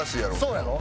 そうやろ？